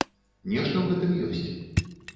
Нешта ў гэтым ёсць.